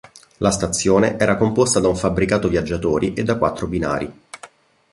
La stazione era composta da un fabbricato viaggiatori e da quattro binari.